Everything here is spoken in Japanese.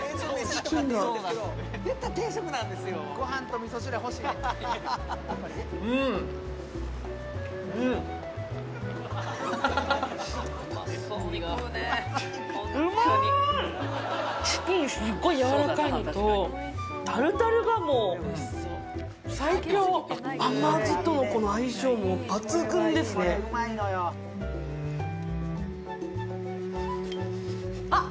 チキンすごいやわらかいのとタルタルがもう最強甘酢とのこの相性も抜群ですねあっ